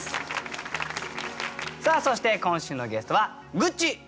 さあそして今週のゲストはグッチ裕三さんです。